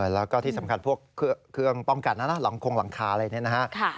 แล้วก็ที่สำคัญพวกเครื่องป้องกันนะหลังคงหลังคาอะไรเนี่ยนะฮะ